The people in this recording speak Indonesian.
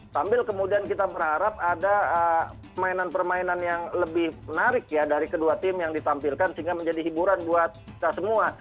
sambil kemudian kita berharap ada permainan permainan yang lebih menarik ya dari kedua tim yang ditampilkan sehingga menjadi hiburan buat kita semua